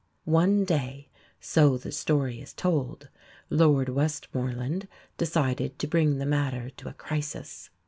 One day, so the story is told, Lord Westmorland decided to bring the matter to a crisis.